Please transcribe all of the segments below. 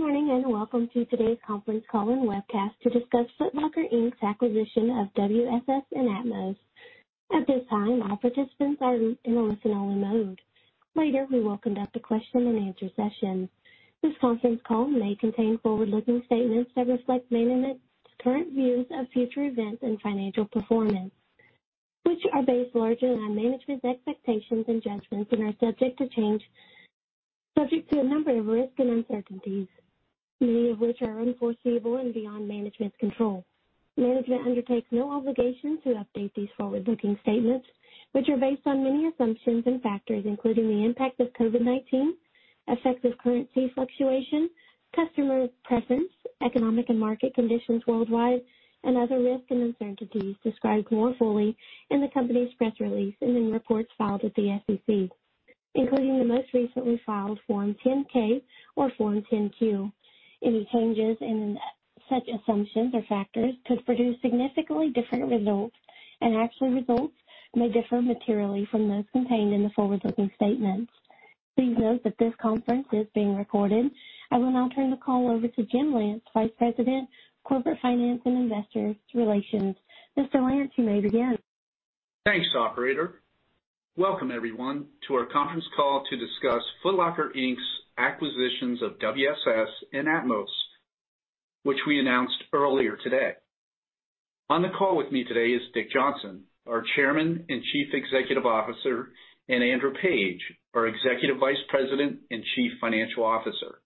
Good morning, and welcome to today's conference call and webcast to discuss Foot Locker, Inc.'s acquisition of WSS and atmos. At this time, all participants are in a listen-only mode. Later, we will conduct a question and answer session. This conference call may contain forward-looking statements that reflect management's current views of future events and financial performance, which are based largely on management's expectations and judgments and are subject to change, subject to a number of risks and uncertainties, many of which are unforeseeable and beyond management's control. Management undertakes no obligation to update these forward-looking statements, which are based on many assumptions and factors, including the impact of COVID-19, effects of currency fluctuation, customer presence, economic and market conditions worldwide, and other risks and uncertainties described more fully in the company's press release and in reports filed with the SEC, including the most recently filed Form 10-K or Form 10-Q. Any changes in such assumptions or factors could produce significantly different results, and actual results may differ materially from those contained in the forward-looking statements. Please note that this conference is being recorded. I will now turn the call over to James Lance, Vice President of Corporate Finance and Investor Relations. Mr. Lance, you may begin. Thanks, operator. Welcome, everyone, to our conference call to discuss Foot Locker, Inc.'s acquisitions of WSS and atmos, which we announced earlier today. On the call with me today is Dick Johnson, our Chairman and Chief Executive Officer, and Andrew Page, our Executive Vice President and Chief Financial Officer.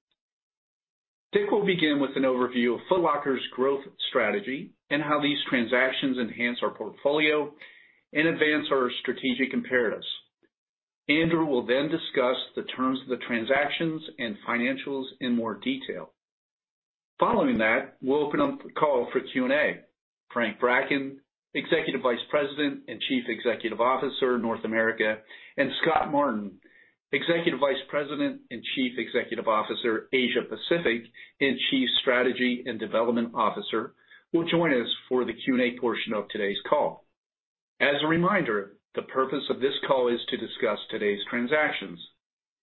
Dick will begin with an overview of Foot Locker's growth strategy and how these transactions enhance our portfolio and advance our strategic imperatives. Andrew will discuss the terms of the transactions and financials in more detail. Following that, we'll open up the call for Q&A. Frank Bracken, Executive Vice President and Chief Executive Officer, North America, and Scott Martin, Executive Vice President and Chief Executive Officer, Asia Pacific, and Chief Strategy and Development Officer, will join us for the Q&A portion of today's call. As a reminder, the purpose of this call is to discuss today's transactions.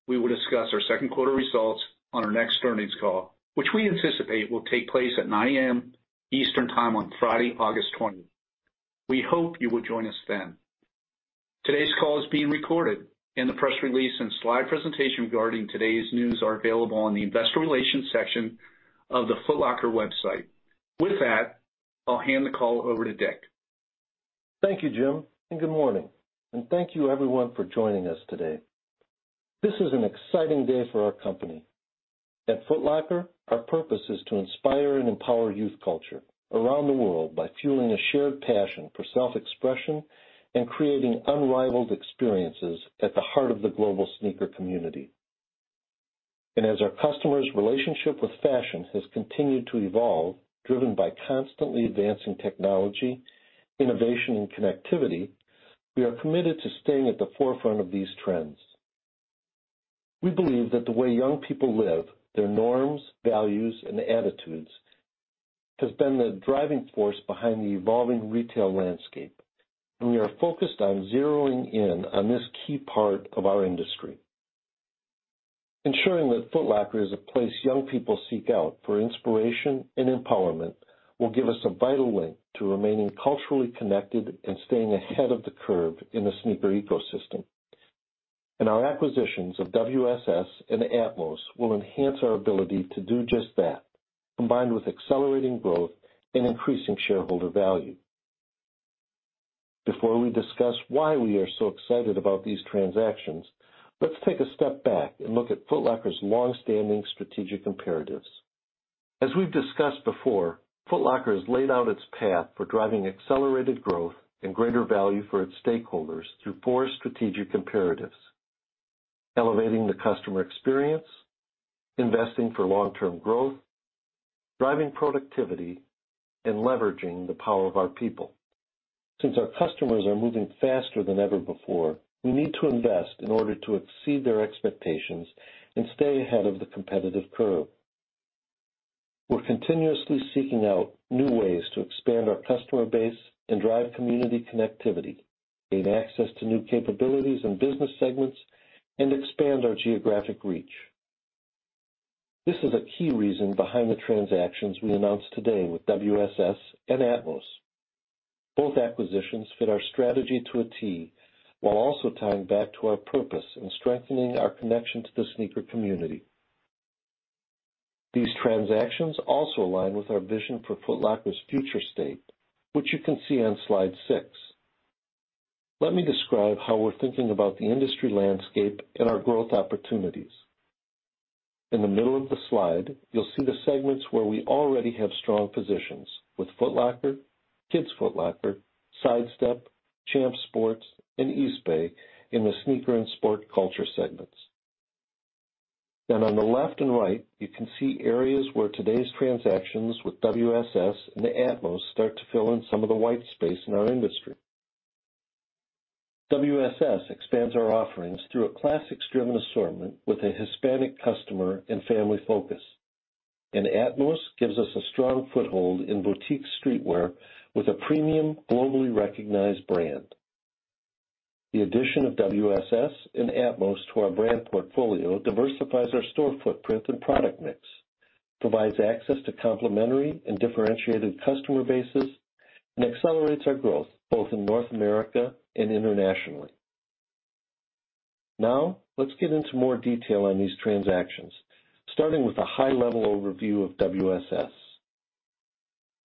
We will discuss our second quarter results on our next earnings call, which we anticipate will take place at 9:00 A.M. Eastern Time on Friday, August 20th. We hope you will join us then. Today's call is being recorded, and the press release and slide presentation regarding today's news are available on the Investor Relations section of the Foot Locker website. With that, I'll hand the call over to Dick. Thank you, Jim, and good morning, and thank you, everyone, for joining us today. This is an exciting day for our company. At Foot Locker, our purpose is to inspire and empower youth culture around the world by fueling a shared passion for self-expression and creating unrivaled experiences at the heart of the global sneaker community. As our customers' relationship with fashion has continued to evolve, driven by constantly advancing technology, innovation, and connectivity, we are committed to staying at the forefront of these trends. We believe that the way young people live, their norms, values, and attitudes, has been the driving force behind the evolving retail landscape, and we are focused on zeroing in on this key part of our industry. Ensuring that Foot Locker is a place young people seek out for inspiration and empowerment will give us a vital link to remaining culturally connected and staying ahead of the curve in the sneaker ecosystem. Our acquisitions of WSS and atmos will enhance our ability to do just that, combined with accelerating growth and increasing shareholder value. Before we discuss why we are so excited about these transactions, let's take a step back and look at Foot Locker's longstanding strategic imperatives. As we've discussed before, Foot Locker has laid out its path for driving accelerated growth and greater value for its stakeholders through four strategic imperatives: elevating the customer experience, investing for long-term growth, driving productivity, and leveraging the power of our people. Since our customers are moving faster than ever before, we need to invest in order to exceed their expectations and stay ahead of the competitive curve. We're continuously seeking out new ways to expand our customer base and drive community connectivity, gain access to new capabilities and business segments, and expand our geographic reach. This is a key reason behind the transactions we announced today with WSS and atmos. Both acquisitions fit our strategy to a T, while also tying back to our purpose in strengthening our connection to the sneaker community. These transactions also align with our vision for Foot Locker's future state, which you can see on slide 6. Let me describe how we're thinking about the industry landscape and our growth opportunities. In the middle of the slide, you'll see the segments where we already have strong positions with Foot Locker, Kids Foot Locker, Sidestep, Champs Sports, and Eastbay in the sneaker and sport culture segments. On the left and right, you can see areas where today's transactions with WSS and atmos start to fill in some of the white space in our industry. WSS expands our offerings through a classics-driven assortment with a Hispanic customer and family focus. Atmos gives us a strong foothold in boutique streetwear with a premium, globally recognized brand. The addition of WSS and atmos to our brand portfolio diversifies our store footprint and product mix, provides access to complementary and differentiated customer bases, and accelerates our growth both in North America and internationally. Let's get into more detail on these transactions, starting with a high-level overview of WSS.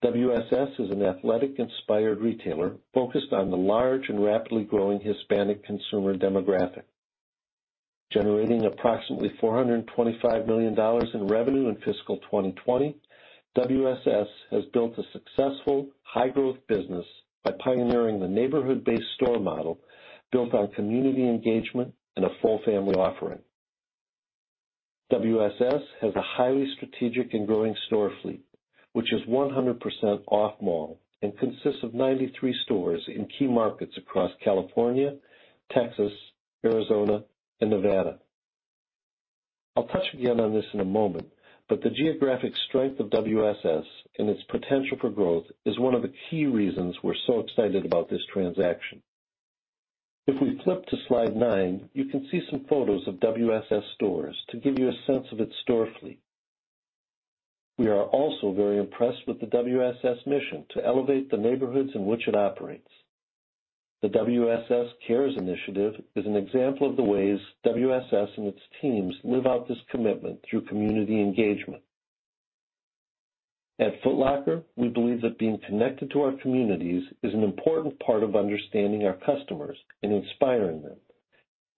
WSS is an athletic-inspired retailer focused on the large and rapidly growing Hispanic consumer demographic. Generating approximately $425 million in revenue in fiscal 2020, WSS has built a successful high-growth business by pioneering the neighborhood-based store model built on community engagement and a full family offering. WSS has a highly strategic and growing store fleet, which is 100% off mall and consists of 93 stores in key markets across California, Texas, Arizona, and Nevada. I'll touch again on this in a moment, but the geographic strength of WSS and its potential for growth is one of the key reasons we're so excited about this transaction. If we flip to slide 9, you can see some photos of WSS stores to give you a sense of its store fleet. We are also very impressed with the WSS mission to elevate the neighborhoods in which it operates. The WSS Cares! initiative is an example of the ways WSS and its teams live out this commitment through community engagement. At Foot Locker, we believe that being connected to our communities is an important part of understanding our customers and inspiring them,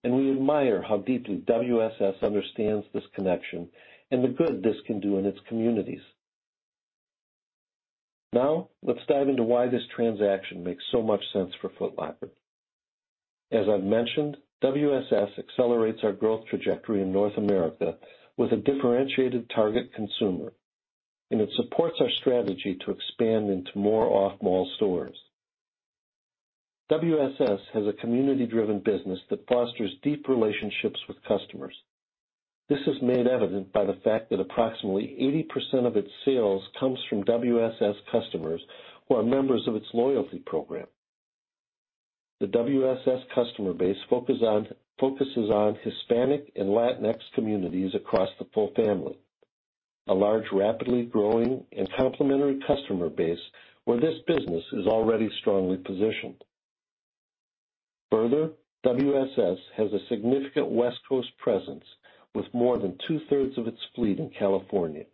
and we admire how deeply WSS understands this connection and the good this can do in its communities. Now, let's dive into why this transaction makes so much sense for Foot Locker. As I've mentioned, WSS accelerates our growth trajectory in North America with a differentiated target consumer, and it supports our strategy to expand into more off-mall stores. WSS has a community-driven business that fosters deep relationships with customers. This is made evident by the fact that approximately 80% of its sales comes from WSS customers who are members of its loyalty program. The WSS customer base focuses on Hispanic and Latinx communities across the full family, a large, rapidly growing, and complementary customer base where this business is already strongly positioned. Further, WSS has a significant West Coast presence with more than two-thirds of its fleet in California.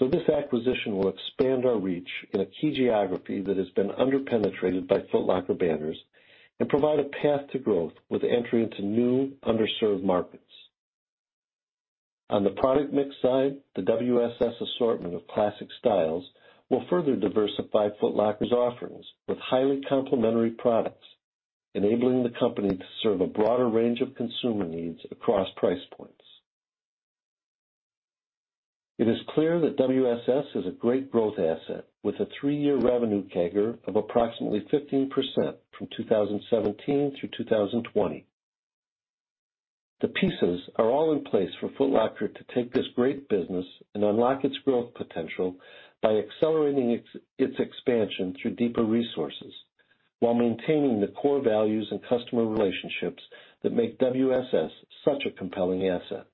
This acquisition will expand our reach in a key geography that has been under-penetrated by Foot Locker banners and provide a path to growth with entry into new underserved markets. On the product mix side, the WSS assortment of classic styles will further diversify Foot Locker's offerings with highly complementary products, enabling the company to serve a broader range of consumer needs across price points. It is clear that WSS is a great growth asset with a three-year revenue CAGR of approximately 15% from 2017 through 2020. The pieces are all in place for Foot Locker to take this great business and unlock its growth potential by accelerating its expansion through deeper resources while maintaining the core values and customer relationships that make WSS such a compelling asset.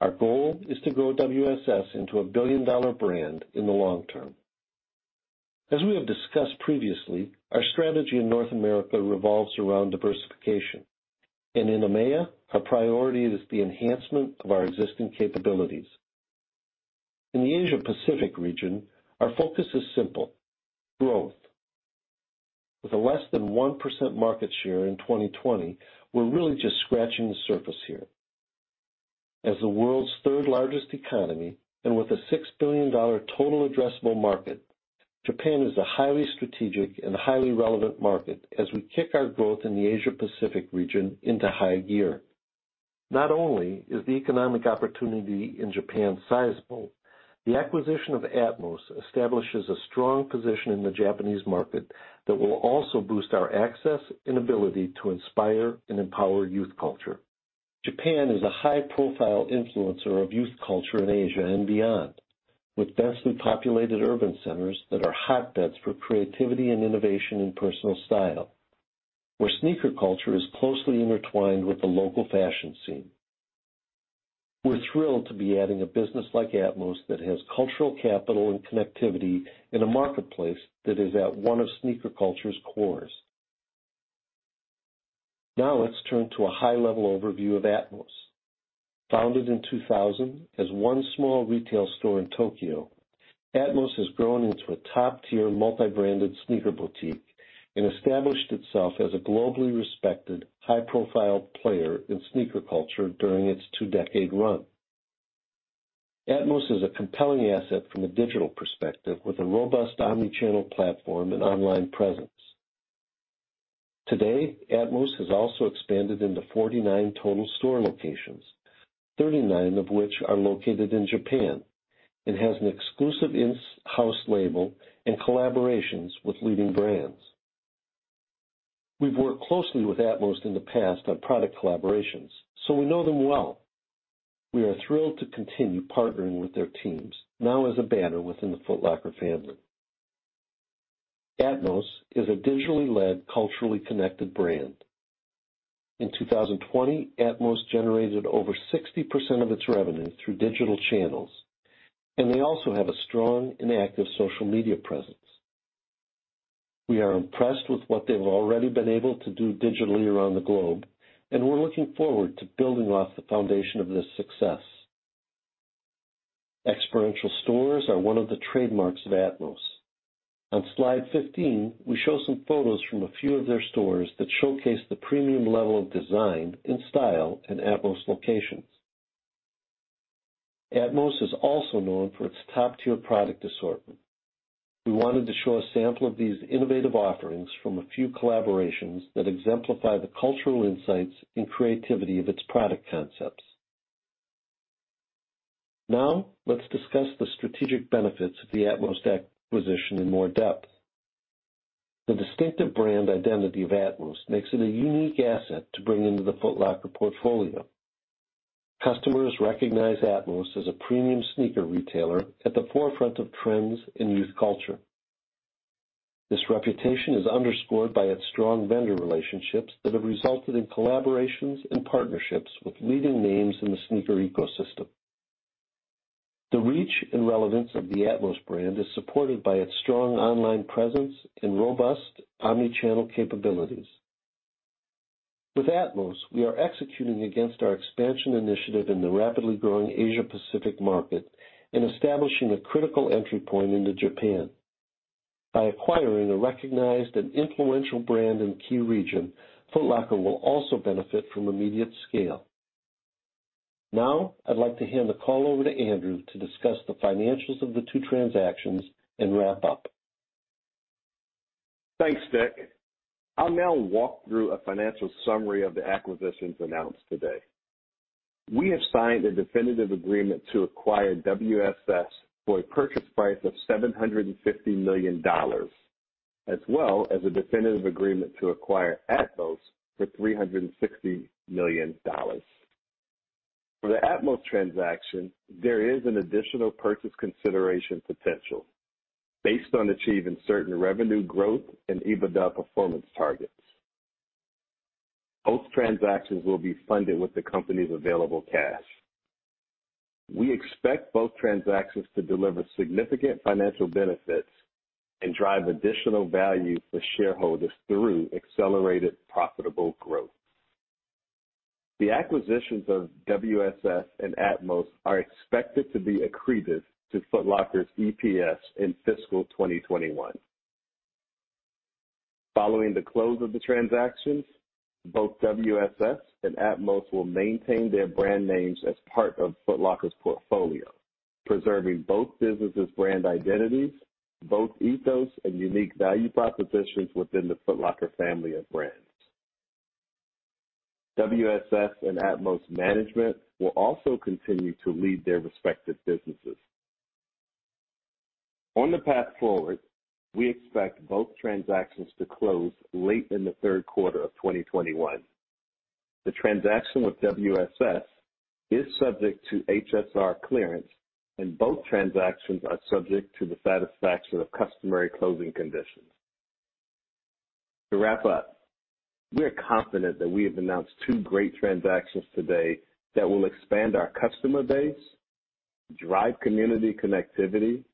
Our goal is to grow WSS into a billion-dollar brand in the long term. As we have discussed previously, our strategy in North America revolves around diversification, and in EMEA, our priority is the enhancement of our existing capabilities. In the Asia Pacific region, our focus is simple, growth. With a less than 1% market share in 2020, we're really just scratching the surface here. As the world's third-largest economy and with a $6 billion total addressable market, Japan is a highly strategic and highly relevant market as we kick our growth in the Asia Pacific region into high gear. Not only is the economic opportunity in Japan sizable, the acquisition of atmos establishes a strong position in the Japanese market that will also boost our access and ability to inspire and empower youth culture. Japan is a high-profile influencer of youth culture in Asia and beyond, with densely populated urban centers that are hotbeds for creativity and innovation in personal style, where sneaker culture is closely intertwined with the local fashion scene. We're thrilled to be adding a business like atmos that has cultural capital and connectivity in a marketplace that is at one of sneaker culture's cores. Now let's turn to a high-level overview of atmos. Founded in 2000 as one small retail store in Tokyo, atmos has grown into a top-tier multi-branded sneaker boutique and established itself as a globally respected, high-profile player in sneaker culture during its two-decade run. Atmos is a compelling asset from a digital perspective with a robust omni-channel platform and online presence. Today, atmos has also expanded into 49 total store locations, 39 of which are located in Japan, and has an exclusive in-house label and collaborations with leading brands. We've worked closely with atmos in the past on product collaborations, so we know them well. We are thrilled to continue partnering with their teams now as a banner within the Foot Locker family. Atmos is a digitally led, culturally connected brand. In 2020, atmos generated over 60% of its revenue through digital channels, and they also have a strong and active social media presence. We are impressed with what they've already been able to do digitally around the globe, and we're looking forward to building off the foundation of this success. Experiential stores are one of the trademarks of atmos. On slide 15, we show some photos from a few of their stores that showcase the premium level of design and style in atmos locations. Atmos is also known for its top-tier product assortment. We wanted to show a sample of these innovative offerings from a few collaborations that exemplify the cultural insights and creativity of its product concepts. Let's discuss the strategic benefits of the atmos acquisition in more depth. The distinctive brand identity of atmos makes it a unique asset to bring into the Foot Locker portfolio. Customers recognize atmos as a premium sneaker retailer at the forefront of trends in youth culture. This reputation is underscored by its strong vendor relationships that have resulted in collaborations and partnerships with leading names in the sneaker ecosystem. The reach and relevance of the atmos brand is supported by its strong online presence and robust omni-channel capabilities. With atmos, we are executing against our expansion initiative in the rapidly growing Asia Pacific market in establishing a critical entry point into Japan. By acquiring a recognized and influential brand and key region, Foot Locker will also benefit from immediate scale. Now, I'd like to hand the call over to Andrew to discuss the financials of the two transactions and wrap up. Thanks, Dick. I'll now walk through a financial summary of the acquisitions announced today. We have signed a definitive agreement to acquire WSS for a purchase price of $750 million, as well as a definitive agreement to acquire atmos for $360 million. For the atmos transaction, there is an additional purchase consideration potential based on achieving certain revenue growth and EBITDA performance targets. Both transactions will be funded with the company's available cash. We expect both transactions to deliver significant financial benefits and drive additional value for shareholders through accelerated profitable growth. The acquisitions of WSS and atmos are expected to be accretive to Foot Locker's EPS in fiscal 2021. Following the close of the transactions, both WSS and atmos will maintain their brand names as part of Foot Locker's portfolio, preserving both businesses' brand identities, both ethos and unique value propositions within the Foot Locker family of brands. WSS and atmos management will also continue to lead their respective businesses. On the path forward, we expect both transactions to close late in the third quarter of 2021. The transaction with WSS is subject to HSR clearance, and both transactions are subject to the satisfaction of customary closing conditions. To wrap up, we are confident that we have announced two great transactions today that will expand our customer base, drive community connectivity,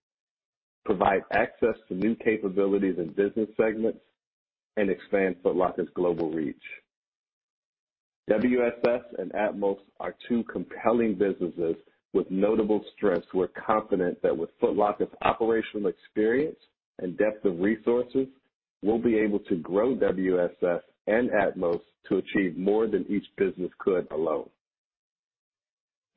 provide access to new capabilities and business segments, and expand Foot Locker's global reach. WSS and atmos are two compelling businesses with notable strengths. We're confident that with Foot Locker's operational experience and depth of resources, we'll be able to grow WSS and atmos to achieve more than each business could alone.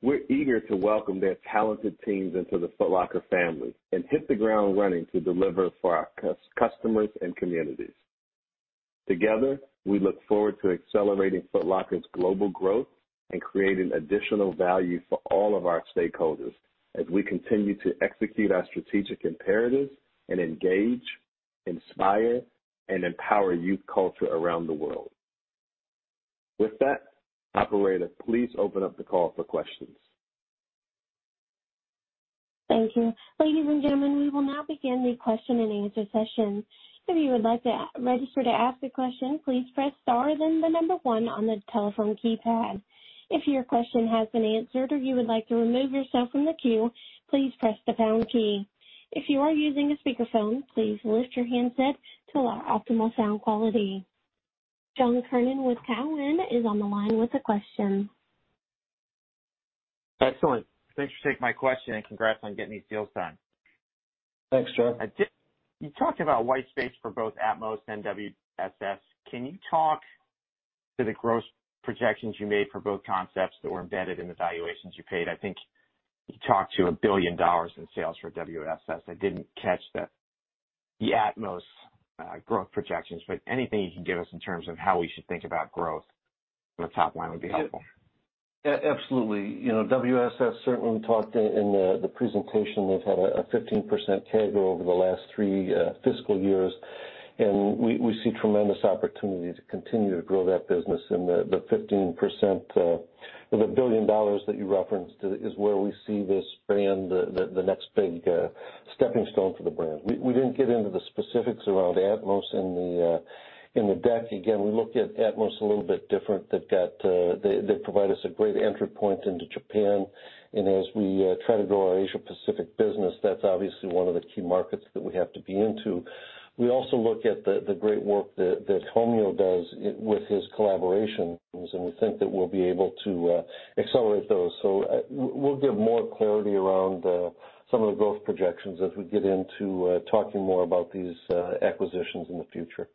We're eager to welcome their talented teams into the Foot Locker family and hit the ground running to deliver for our customers and communities. Together, we look forward to accelerating Foot Locker's global growth and creating additional value for all of our stakeholders as we continue to execute our strategic imperatives and engage, inspire, and empower youth culture around the world. With that, operator, please open up the call for questions. Thank you. Ladies and gentlemen, we will now begin the question and answer session. John Kernan with Cowen is on the line with a question. Excellent. Thanks for taking my question. Congrats on getting these deals done. Thanks, John. You talked about white space for both atmos and WSS. Can you talk to the growth projections you made for both concepts that were embedded in the valuations you paid? I think you talked to $1 billion in sales for WSS. I didn't catch the atmos growth projections, but anything you can give us in terms of how we should think about growth from the top line would be helpful. Absolutely. WSS certainly talked in the presentation, they've had a 15% CAGR over the last three fiscal years, and we see tremendous opportunity to continue to grow that business and the $1 billion that you referenced is where we see the next big stepping stone for the brand. We didn't get into the specifics around atmos in the deck. Again, we look at atmos a little bit different. They provide us a great entry point into Japan, and as we try to grow our Asia Pacific business, that's obviously one of the key markets that we have to be into. We also look at the great work that Hidefumi Hommyo does with his collaborations, and we think that we'll be able to accelerate those. We'll give more clarity around some of the growth projections as we get into talking more about these acquisitions in the future.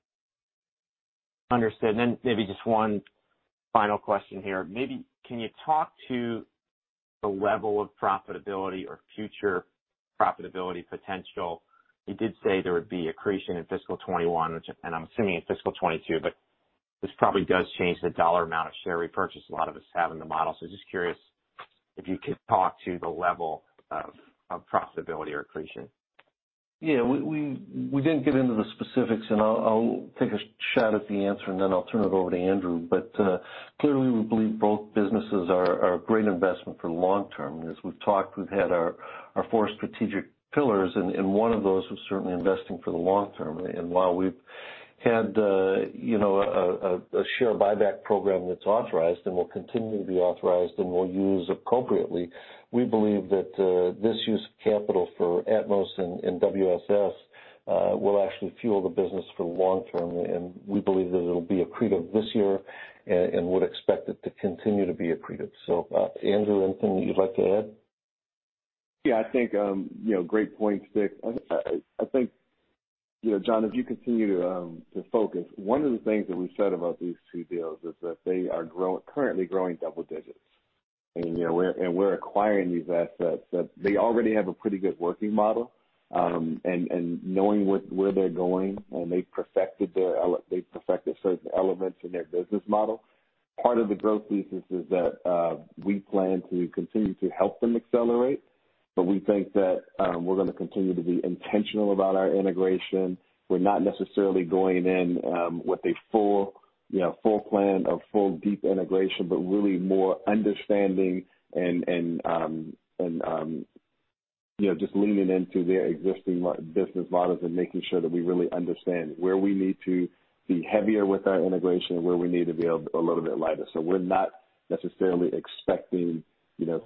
Understood. Just one final question here. Can you talk to the level of profitability or future profitability potential? You did say there would be accretion in fiscal 2021, and I'm assuming in fiscal 2022, this probably does change the dollar amount of share repurchase a lot of us have in the model. Just curious if you could talk to the level of profitability or accretion. Yeah. We didn't get into the specifics, and I'll take a shot at the answer and then I'll turn it over to Andrew. Clearly, we believe both businesses are a great investment for the long term. As we've talked, we've had our four strategic pillars, and one of those was certainly investing for the long term. While we've had a share buyback program that's authorized and will continue to be authorized and we'll use appropriately, we believe that this use of capital for atmos and WSS, will actually fuel the business for the long term, and we believe that it'll be accretive this year and would expect it to continue to be accretive. Andrew, anything that you'd like to add? Yeah, I think, great point, Dick. I think, John, as you continue to focus, one of the things that we said about these two deals is that they are currently growing double digits. We're acquiring these assets that they already have a pretty good working model, and knowing where they're going, and they've perfected certain elements in their business model. Part of the growth thesis is that, we plan to continue to help them accelerate, but we think that we're going to continue to be intentional about our integration. We're not necessarily going in with a full plan, a full deep integration, but really more understanding and just leaning into their existing business models and making sure that we really understand where we need to be heavier with our integration and where we need to be a little bit lighter. We're not necessarily expecting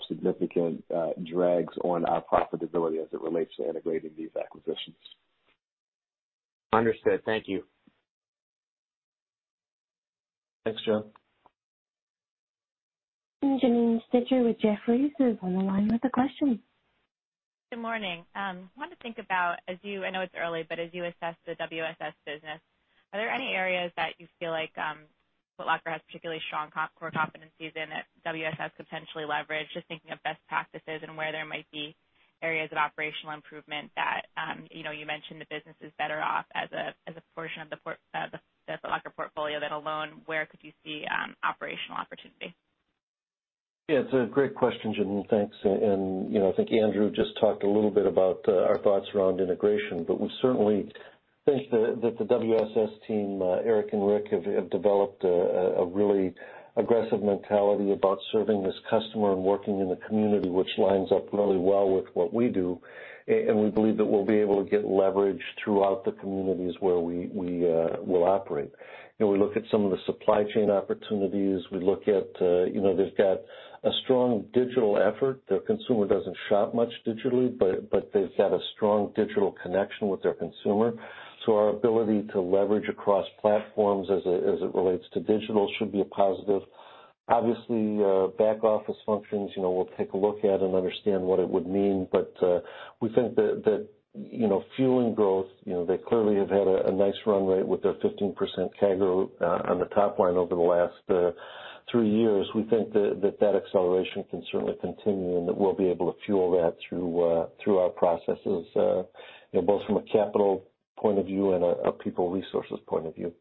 significant drags on our profitability as it relates to integrating these acquisitions. Understood. Thank you. Thanks, John. Janine Stichter with Jefferies is on the line with a question. Good morning. I want to think about as you, I know it's early, but as you assess the WSS business, are there any areas that you feel like Foot Locker has particularly strong core competencies in that WSS potentially leverage, just thinking of best practices and where there might be areas of operational improvement that You mentioned the business is better off as a portion of the Foot Locker portfolio than alone? Where could you see operational opportunity? Yeah, it's a great question, Janine. Thanks. I think Andrew just talked a little bit about our thoughts around integration, but we certainly think that the WSS team, Eric and Richard, have developed a really aggressive mentality about serving this customer and working in the community, which lines up really well with what we do. We believe that we'll be able to get leverage throughout the communities where we'll operate. We look at some of the supply chain opportunities. We look at, they've got a strong digital effort. Their consumer doesn't shop much digitally, but they've got a strong digital connection with their consumer. Our ability to leverage across platforms as it relates to digital should be a positive. Obviously, back office functions, we'll take a look at and understand what it would mean. We think that fueling growth, they clearly have had a nice run rate with their 15% CAGR on the top line over the last three years. We think that that acceleration can certainly continue and that we'll be able to fuel that through our processes, both from a capital point of view and a people resources point of view.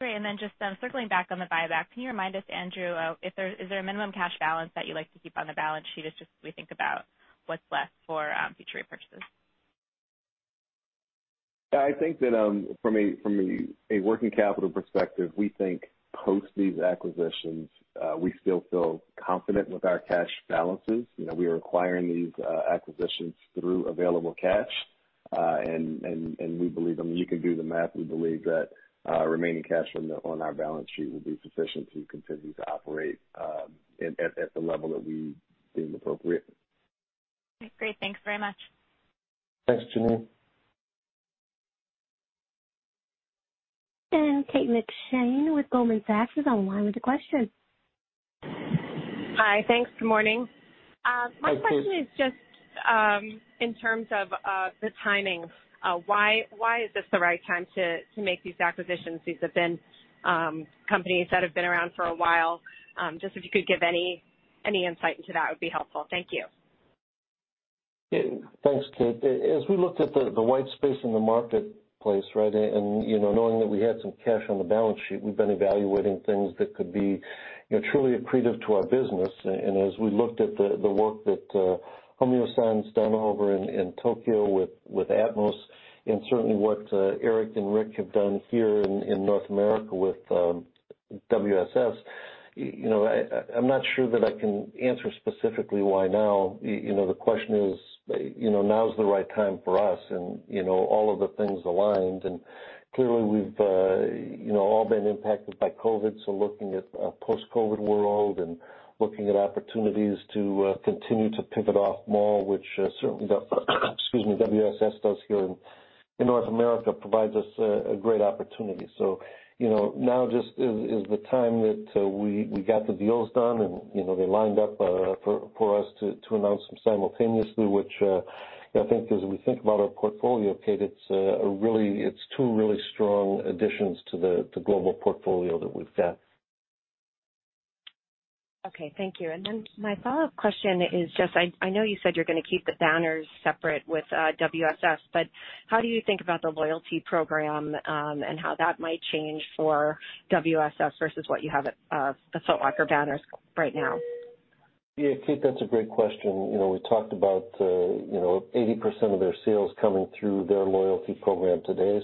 Great. Then just circling back on the buyback, can you remind us, Andrew, is there a minimum cash balance that you like to keep on the balance sheet as just we think about what's left for future repurchases? I think that, from a working capital perspective, we think post these acquisitions, we still feel confident with our cash balances. We are acquiring these acquisitions through available cash. We believe I mean, you can do the math. We believe that our remaining cash on our balance sheet will be sufficient to continue to operate, at the level that we deem appropriate. Great. Thanks very much. Thanks, Janine. Kate McShane with Goldman Sachs is on the line with a question. Hi. Thanks. Good morning. Hi, Kate. My question is just, in terms of the timing, why is this the right time to make these acquisitions? These have been companies that have been around for a while. Just if you could give any insight into that would be helpful. Thank you. Thanks, Kate. As we looked at the white space in the marketplace, right, knowing that we had some cash on the balance sheet, we've been evaluating things that could be truly accretive to our business. As we looked at the work that Hidefumi Hommyo's done over in Tokyo with atmos, certainly what Eric and Richard have done here in North America with WSS, I'm not sure that I can answer specifically why now. The question is, now is the right time for us, and all of the things aligned. Clearly we've all been impacted by COVID, so looking at a post-COVID world and looking at opportunities to continue to pivot off mall, which certainly the, excuse me, WSS does here in North America provides us a great opportunity. Now just is the time that we got the deals done, they lined up for us to announce them simultaneously, which I think as we think about our portfolio, Kate, it's two really strong additions to the global portfolio that we've got. Okay. Thank you. My follow-up question is just, I know you said you're going to keep the banners separate with WSS, but how do you think about the loyalty program and how that might change for WSS versus what you have at the Foot Locker banners right now? Yeah, Kate, that's a great question. We talked about 80% of their sales coming through their loyalty program today.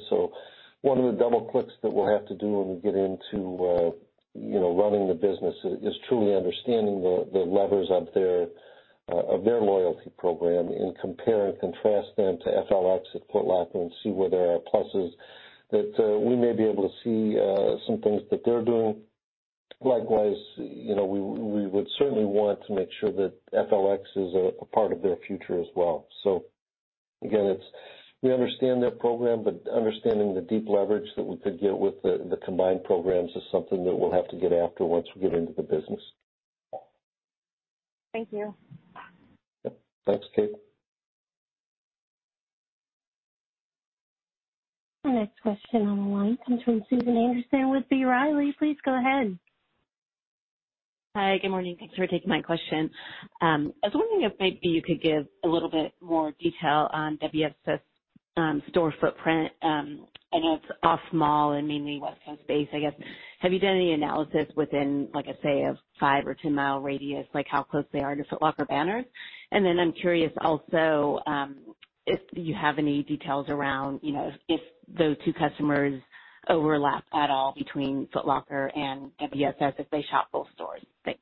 One of the double clicks that we'll have to do when we get into running the business is truly understanding the levers of their loyalty program and compare and contrast them to FLX at Foot Locker and see where there are pluses that we may be able to see some things that they're doing. Likewise, we would certainly want to make sure that FLX is a part of their future as well. Again, it's we understand their program, but understanding the deep leverage that we could get with the combined programs is something that we'll have to get after once we get into the business. Thank you. Yep. Thanks, Kate. Our next question on the line comes from Susan Anderson with B. Riley. Please go ahead. Hi. Good morning. Thanks for taking my question. I was wondering if maybe you could give a little bit more detail on WSS store footprint. I know it's off mall and mainly West Coast base, I guess. Have you done any analysis within, like, say, a five or 10-mile radius, like how close they are to Foot Locker banners? I'm curious also if you have any details around if those two customers overlap at all between Foot Locker and WSS, if they shop both stores. Thanks.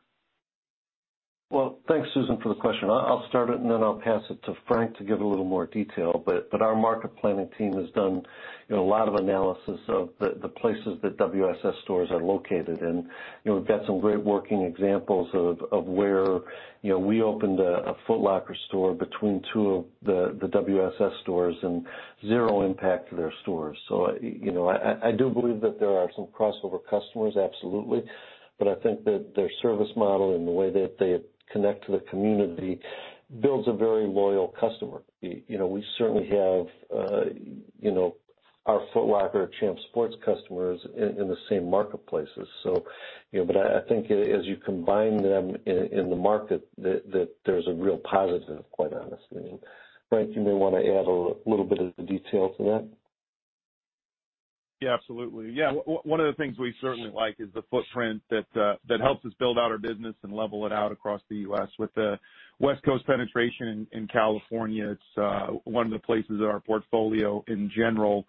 Thanks, Susan, for the question. I'll start it, and then I'll pass it to Frank to give a little more detail. Our market planning team has done a lot of analysis of the places that WSS stores are located. We've got some great working examples of where we opened a Foot Locker store between two of the WSS stores and zero impact to their stores. I do believe that there are some crossover customers, absolutely. I think that their service model and the way that they connect to the community builds a very loyal customer. We certainly have our Foot Locker, Champs Sports customers in the same marketplaces. I think as you combine them in the market, that there's a real positive, quite honestly. Frank, you may want to add a little bit of the detail to that. Yeah, absolutely. One of the things we certainly like is the footprint that helps us build out our business and level it out across the U.S. With the West Coast penetration in California, it's one of the places that our portfolio in general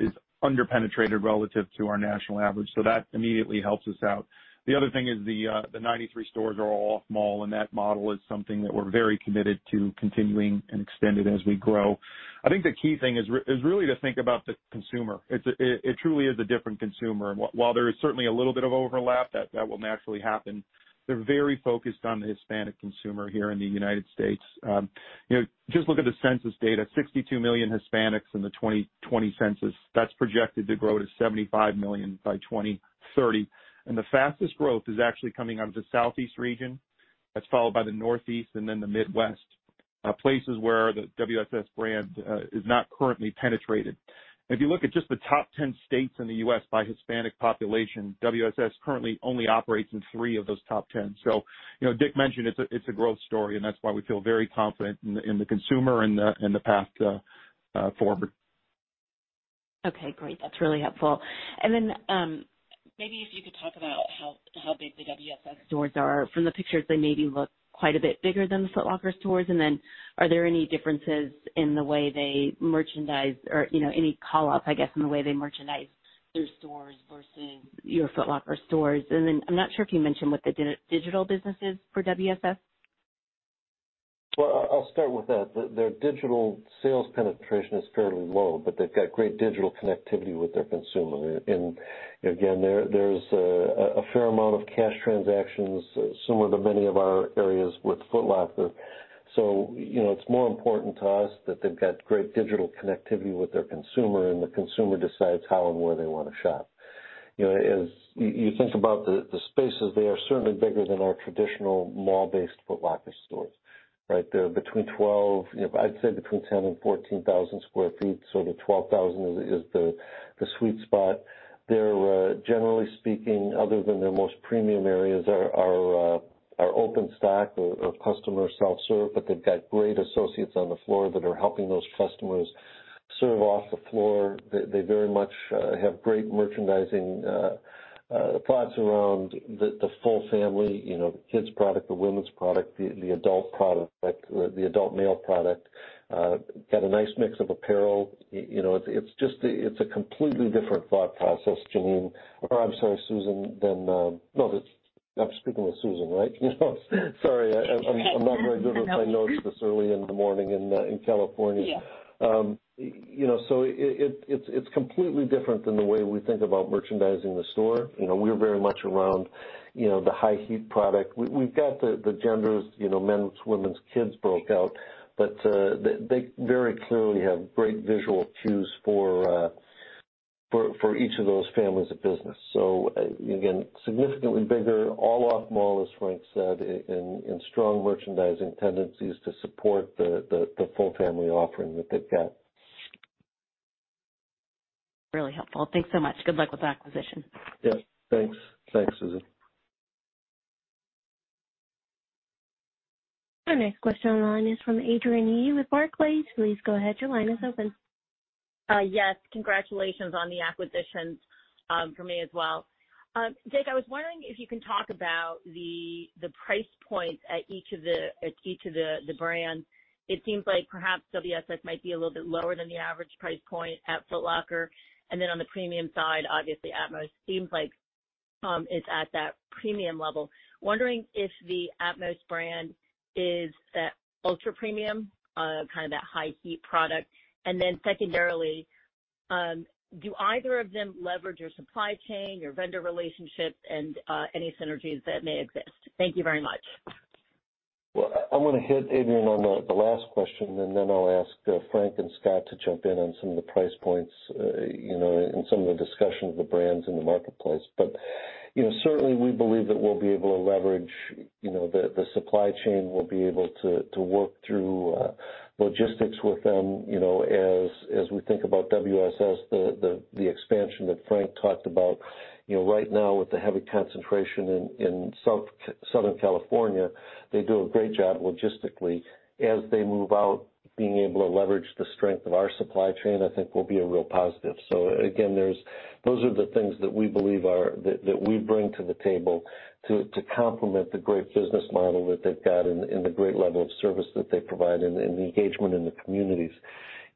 is under-penetrated relative to our national average, that immediately helps us out. The other thing is the 93 stores are all off mall, that model is something that we're very committed to continuing and extending as we grow. I think the key thing is really to think about the consumer. It truly is a different consumer. While there is certainly a little bit of overlap, that will naturally happen. They're very focused on the Hispanic consumer here in the U.S. Just look at the census data, 62 million Hispanics in the 2020 census. That's projected to grow to 75 million by 2030. The fastest growth is actually coming out of the Southeast region. That's followed by the Northeast and then the Midwest, places where the WSS brand is not currently penetrated. If you look at just the top 10 states in the U.S. by Hispanic population, WSS currently only operates in three of those top 10. Dick mentioned it's a growth story, and that's why we feel very confident in the consumer and the path forward. Okay, great. That's really helpful. Maybe if you could talk about how big the WSS stores are. From the pictures, they maybe look quite a bit bigger than the Foot Locker stores. Are there any differences in the way they merchandise or any call-ups, I guess, in the way they merchandise their stores versus your Foot Locker stores? I'm not sure if you mentioned what the digital business is for WSS. Well, I'll start with that. Their digital sales penetration is fairly low, but they've got great digital connectivity with their consumer. Again, there's a fair amount of cash transactions, similar to many of our areas with Foot Locker. It's more important to us that they've got great digital connectivity with their consumer, and the consumer decides how and where they want to shop. As you think about the spaces, they are certainly bigger than our traditional mall-based Foot Locker stores, right? I'd say between 10,000 and 14,000 sq ft. The 12,000 is the sweet spot. They're, generally speaking, other than their most premium areas, are open stack or customer self-serve, but they've got great associates on the floor that are helping those customers serve off the floor. They very much have great merchandising, products around the full family, the kids product, the women's product, the adult product, the adult male product, got a nice mix of apparel. It's a completely different thought process, Janine. I'm sorry, Susan, than No, I'm speaking with Susan, right? Sorry. I'm not very good with my notes this early in the morning in California. It's completely different than the way we think about merchandising the store. We're very much around the high heat product. We've got the genders, men's, women's, kids' broke out. They very clearly have great visual cues for each of those families of business. Again, significantly bigger, all off mall, as Frank said, and strong merchandising tendencies to support the full family offering that they've got. Really helpful. Thanks so much. Good luck with the acquisition. Yeah, thanks. Thanks, Susan. Our next question online is from Adrienne Yih with Barclays. Please go ahead, your line is open. Yes, congratulations on the acquisitions from me as well. Dick, I was wondering if you can talk about the price points at each of the brands. It seems like perhaps WSS might be a little bit lower than the average price point at Foot Locker, and then on the premium side, obviously atmos seems like it's at that premium level. Wondering if the atmos brand is that ultra-premium, kind of that high heat product. Secondarily, do either of them leverage your supply chain, your vendor relationships, and any synergies that may exist? Thank you very much. Well, I want to hit Adrienne on the last question, and then I'll ask Frank and Scott to jump in on some of the price points and some of the discussion of the brands in the marketplace. Certainly, we believe that we'll be able to leverage the supply chain. We'll be able to work through logistics with them as we think about WSS, the expansion that Frank talked about. Right now, with the heavy concentration in Southern California, they do a great job logistically. As they move out, being able to leverage the strength of our supply chain, I think, will be a real positive. Again, those are the things that we believe that we bring to the table to complement the great business model that they've got and the great level of service that they provide and the engagement in the communities.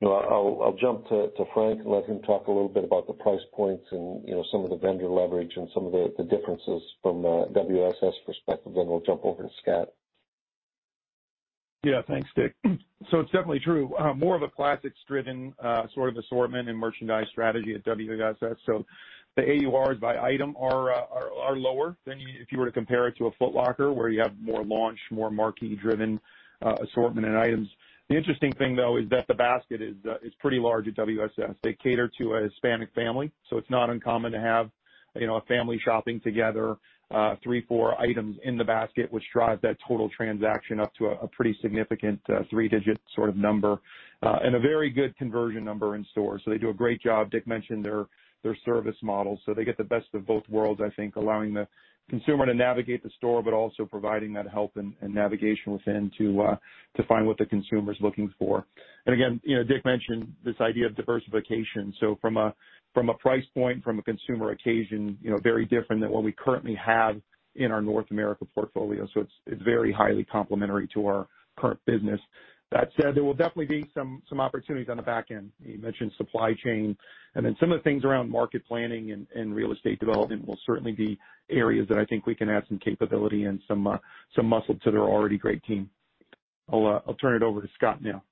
I'll jump to Frank and let him talk a little bit about the price points and some of the vendor leverage and some of the differences from a WSS perspective. We'll jump over to Scott. Yeah, thanks, Dick. It's definitely true. More of a classics driven sort of assortment and merchandise strategy at WSS. The AURs by item are lower than if you were to compare it to a Foot Locker where you have more launch, more marquee driven assortment and items. The interesting thing, though, is that the basket is pretty large at WSS. They cater to a Hispanic family. It's not uncommon to have a family shopping together three, four items in the basket, which drives that total transaction up to a pretty significant three digit sort of number, and a very good conversion number in store. They do a great job. Dick mentioned their service model. They get the best of both worlds, I think, allowing the consumer to navigate the store, but also providing that help and navigation within to find what the consumer's looking for. Again, Dick mentioned this idea of diversification. From a price point, from a consumer occasion, very different than what we currently have in our North America portfolio. It's very highly complementary to our current business. That said, there will definitely be some opportunities on the back end. You mentioned supply chain, and then some of the things around market planning and real estate development will certainly be areas that I think we can add some capability and some muscle to their already great team. I'll turn it over to Scott now.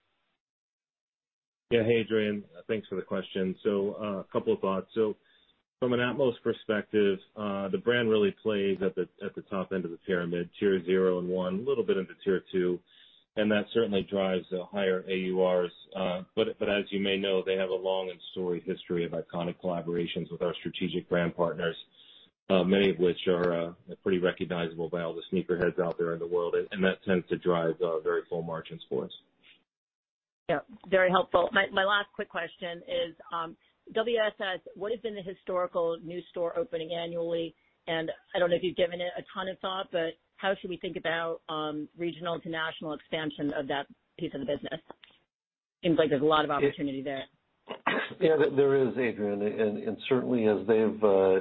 Yeah. Hey, Adrienne. Thanks for the question. A couple of thoughts. From an atmos perspective, the brand really plays at the top end of the pyramid, Tier 0 and 1, a little bit into Tier 2, and that certainly drives higher AURs. As you may know, they have a long and storied history of iconic collaborations with our strategic brand partners, many of which are pretty recognizable by all the sneakerheads out there in the world, and that tends to drive very full margins for us. Yeah, very helpful. My last quick question is, WSS, what has been the historical new store opening annually? I don't know if you've given it a ton of thought, but how should we think about regional to national expansion of that piece of the business? Seems like there's a lot of opportunity there. Yeah, there is, Adrienne, certainly as they've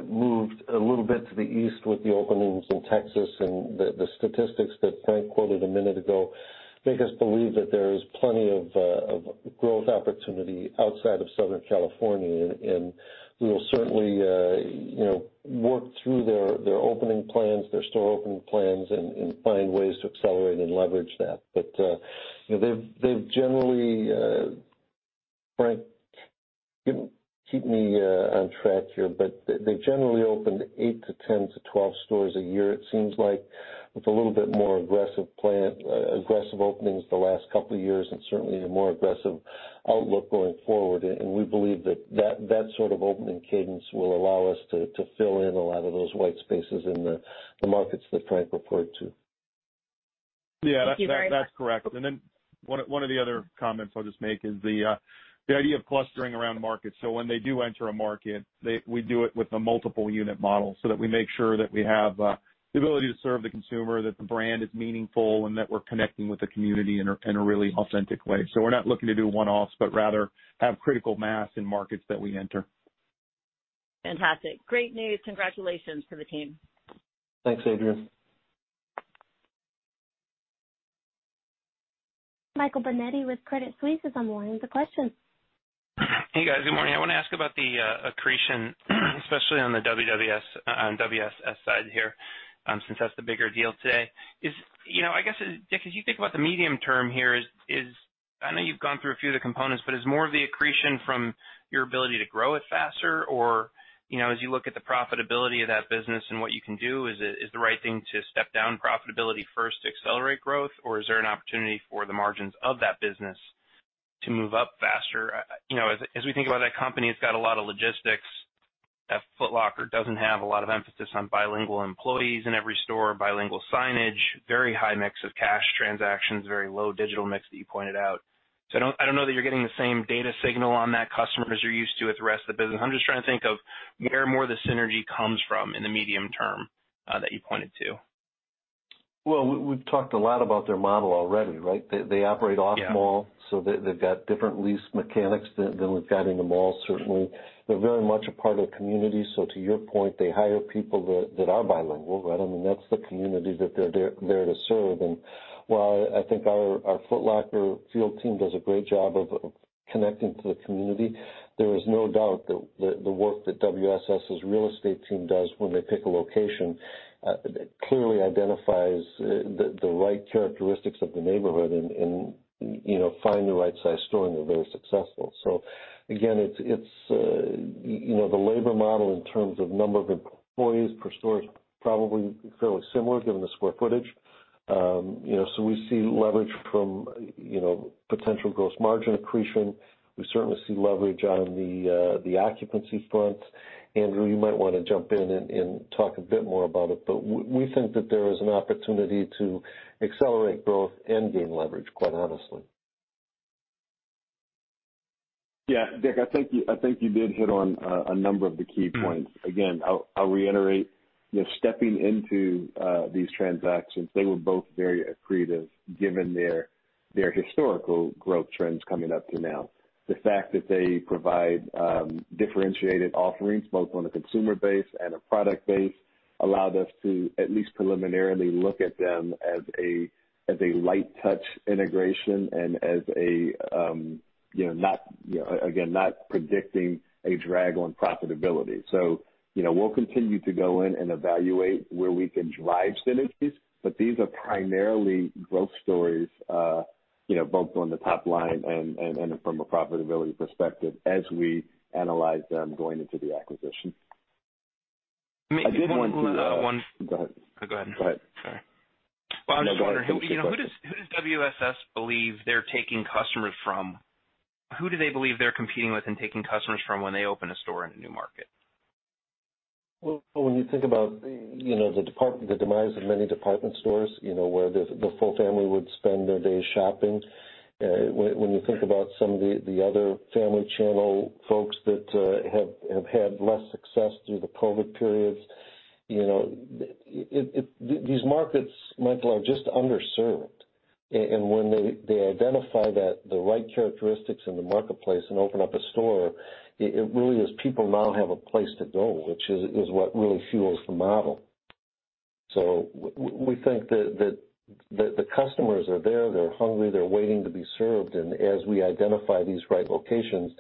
moved a little bit to the East with the openings in Texas and the statistics that Frank quoted a minute ago make us believe that there is plenty of growth opportunity outside of Southern California. We will certainly work through their opening plans, their store opening plans, and find ways to accelerate and leverage that. They've generally Frank, keep me on track here, but they generally opened eight to 10 to 12 stores a year, it seems like, with a little bit more aggressive openings the last couple of years and certainly a more aggressive outlook going forward. We believe that sort of opening cadence will allow us to fill in a lot of those white spaces in the markets that Frank referred to. Yeah, that's correct. One of the other comments I'll just make is the idea of clustering around markets. When they do enter a market, we do it with a multiple unit model so that we make sure that we have the ability to serve the consumer, that the brand is meaningful, and that we're connecting with the community in a really authentic way. We're not looking to do one-offs, but rather have critical mass in markets that we enter. Fantastic. Great news. Congratulations to the team. Thanks, Adrienne. Michael Binetti with Credit Suisse is on the line with a question. Hey, guys. Good morning. I want to ask about the accretion, especially on the WSS side here, since that's the bigger deal today. I guess, Dick, as you think about the medium term here is, I know you've gone through a few of the components, but is more of the accretion from your ability to grow it faster? As you look at the profitability of that business and what you can do, is the right thing to step down profitability first to accelerate growth? Is there an opportunity for the margins of that business to move up faster? As we think about that company, it's got a lot of logistics that Foot Locker doesn't have. A lot of emphasis on bilingual employees in every store, bilingual signage. Very high mix of cash transactions, very low digital mix that you pointed out. I don't know that you're getting the same data signal on that customer as you're used to with the rest of the business. I'm just trying to think of where more of the synergy comes from in the medium term that you pointed to. Well, we've talked a lot about their model already, right? They operate off mall. They've got different lease mechanics than we've got in the mall, certainly. They're very much a part of the community. To your point, they hire people that are bilingual, right? I mean, that's the community that they're there to serve. While I think our Foot Locker field team does a great job of connecting to the community, there is no doubt that the work that WSS's real estate team does when they pick a location, clearly identifies the right characteristics of the neighborhood and find the right size store, and they're very successful. Again, the labor model in terms of number of employees per store is probably fairly similar given the square footage. We see leverage from potential gross margin accretion. We certainly see leverage on the occupancy front. Andrew, you might want to jump in and talk a bit more about it, but we think that there is an opportunity to accelerate growth and gain leverage, quite honestly. Yeah. Dick, I think you did hit on a number of the key points. Again, I'll reiterate, just stepping into these transactions, they were both very accretive given their historical growth trends coming up to now. The fact that they provide differentiated offerings both on a consumer base and a product base allowed us to at least preliminarily look at them as a light touch integration and again, not predicting a drag on profitability. We'll continue to go in and evaluate where we can drive synergies. These are primarily growth stories, both on the top line and from a profitability perspective as we analyze them going into the acquisition. One Go ahead. Go ahead. Sorry. No, go ahead. Take the question. Who does WSS believe they're taking customers from? Who do they believe they're competing with and taking customers from when they open a store in a new market? When you think about the demise of many department stores, where the full family would spend their day shopping. When you think about some of the other family channel folks that have had less success through the COVID periods. These markets, Michael, are just underserved. When they identify the right characteristics in the marketplace and open up a store, it really is people now have a place to go, which is what really fuels the model. We think that the customers are there. They're hungry, they're waiting to be served. As we identify these right locations,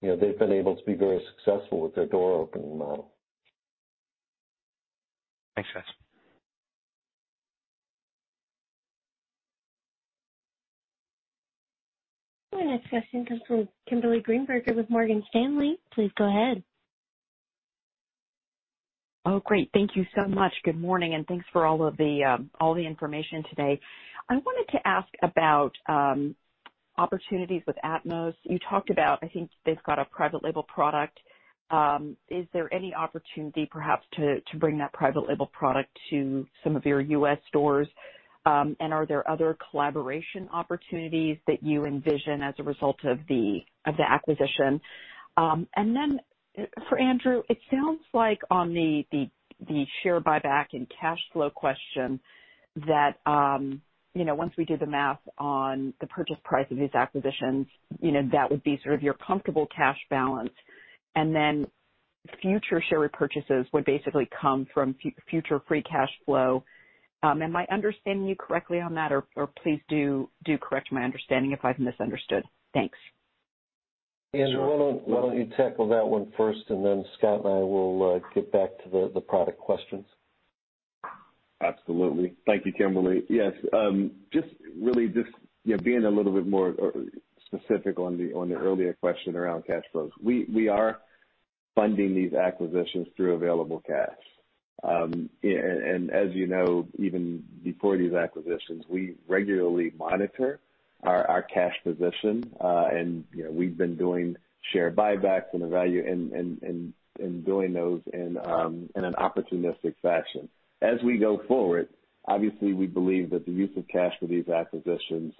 they've been able to be very successful with their door opening model. Thanks, guys. Our next question comes from Kimberly Greenberger with Morgan Stanley. Please go ahead. Oh, great. Thank you so much. Good morning, and thanks for all the information today. I wanted to ask about opportunities with atmos. You talked about, I think they've got a private label product. Is there any opportunity perhaps to bring that private label product to some of your U.S. stores? Are there other collaboration opportunities that you envision as a result of the acquisition? For Andrew, it sounds like on the share buyback and cash flow question that once we do the math on the purchase price of these acquisitions, that would be sort of your comfortable cash balance, and then future share repurchases would basically come from future free cash flow. Am I understanding you correctly on that? Please do correct my understanding if I've misunderstood. Thanks. Andrew, why don't you tackle that one first, and then Scott and I will get back to the product questions. Absolutely. Thank you, Kimberly. Yes. Just really being a little bit more specific on the earlier question around cash flows. We are funding these acquisitions through available cash. As you know, even before these acquisitions, we regularly monitor. Our cash position, and we've been doing share buybacks and doing those in an opportunistic fashion. As we go forward, obviously, we believe that the use of cash for these acquisitions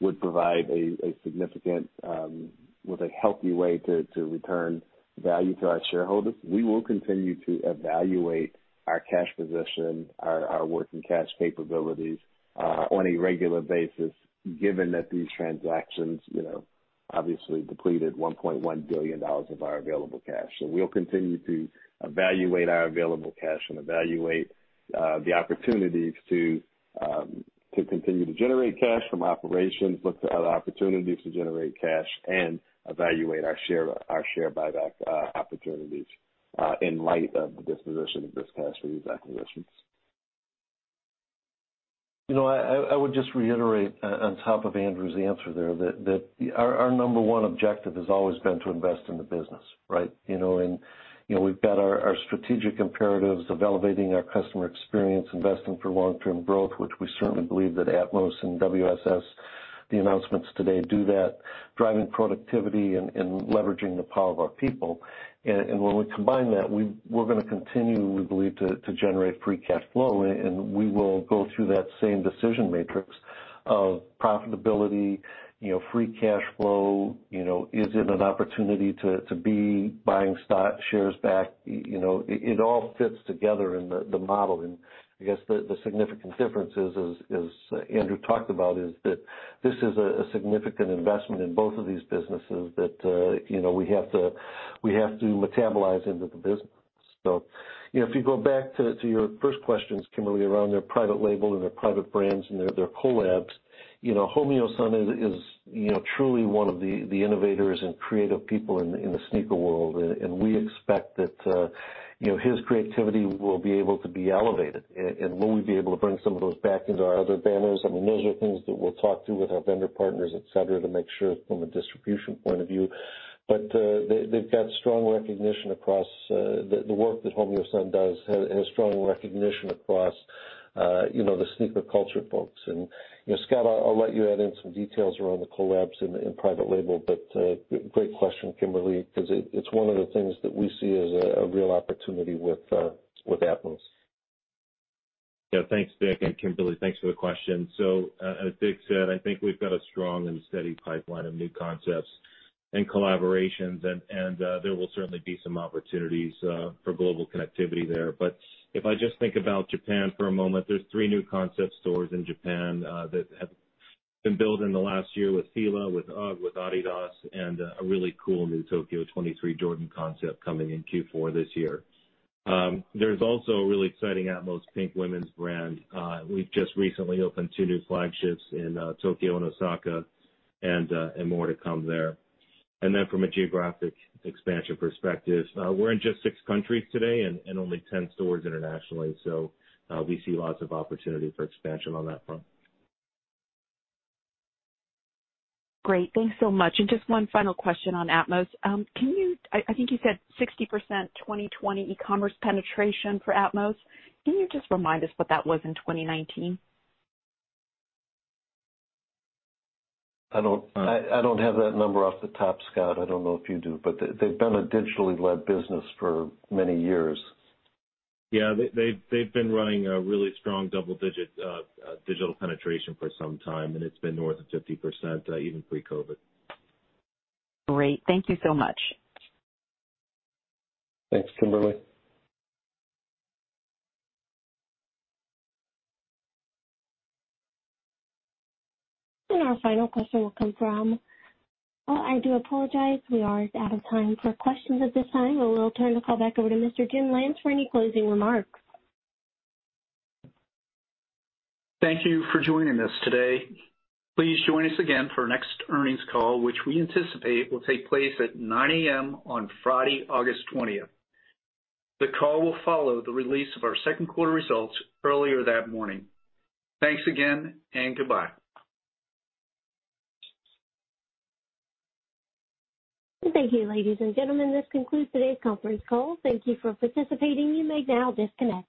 would provide a significant, with a healthy way to return value to our shareholders. We will continue to evaluate our cash position, our working cash capabilities on a regular basis, given that these transactions obviously depleted $1.1 billion of our available cash. We'll continue to evaluate our available cash and evaluate the opportunities to continue to generate cash from operations, look to other opportunities to generate cash, and evaluate our share buyback opportunities in light of the disposition of this cash for these acquisitions. I would just reiterate on top of Andrew's answer there, that our number one objective has always been to invest in the business, right? We've got our strategic imperatives of elevating our customer experience, investing for long-term growth, which we certainly believe that atmos and WSS, the announcements today do that, driving productivity and leveraging the power of our people. When we combine that, we're going to continue, we believe, to generate free cash flow, and we will go through that same decision matrix of profitability, free cash flow, is it an opportunity to be buying stock shares back? It all fits together in the model. I guess the significant difference is, as Andrew talked about, is that this is a significant investment in both of these businesses that we have to metabolize into the business. If you go back to your first questions, Kimberly, around their private label and their private brands and their collabs, Hidefumi Hommyo is truly one of the innovators and creative people in the sneaker world. We expect that his creativity will be able to be elevated, and will we be able to bring some of those back into our other banners? I mean, those are things that we'll talk through with our vendor partners, et cetera, to make sure from a distribution point of view. They've got strong recognition across the work that Hidefumi Hommyo does and a strong recognition across the sneaker culture folks. Scott, I'll let you add in some details around the collabs and private label, but great question, Kimberly, because it's one of the things that we see as a real opportunity with atmos. Yeah. Thanks, Dick, and Kimberly, thanks for the question. As Dick said, I think we've got a strong and steady pipeline of new concepts and collaborations, and there will certainly be some opportunities for global connectivity there. If I just think about Japan for a moment, there's three new concept stores in Japan that have been built in the last year with FILA, with UGG, with adidas, and a really cool new Tokyo 23 Jordan concept coming in Q4 this year. There's also a really exciting atmos pink women's brand. We've just recently opened two new flagships in Tokyo and Osaka and more to come there. From a geographic expansion perspective, we're in just six countries today and only 10 stores internationally. We see lots of opportunity for expansion on that front. Great. Thanks so much. Just one final question on atmos. I think you said 60% 2020 e-commerce penetration for atmos. Can you just remind us what that was in 2019? I don't have that number off the top, Scott. I don't know if you do, but they've been a digitally led business for many years. Yeah. They've been running a really strong double-digit digital penetration for some time, and it's been north of 50%, even pre-COVID. Great. Thank you so much. Thanks, Kimberly. Oh, I do apologize. We are out of time for questions at this time. We will turn the call back over to Mr. James Lance for any closing remarks. Thank you for joining us today. Please join us again for our next earnings call, which we anticipate will take place at 9:00 A.M. on Friday, August 20th. The call will follow the release of our second quarter results earlier that morning. Thanks again, and goodbye. Thank you, ladies and gentlemen. This concludes today's conference call. Thank you for participating. You may now disconnect.